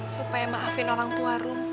supaya maafin orang tua room